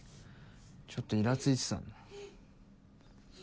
ちょっとイラついてたんだ。